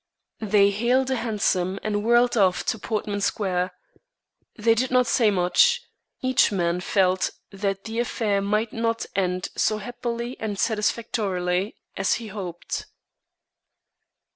They hailed a hansom and whirled off to Portman Square. They did not say much. Each man felt that the affair might not end so happily and satisfactorily as he hoped.